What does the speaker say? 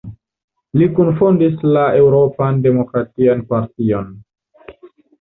Li kunfondis la Eŭropan Demokratian Partion.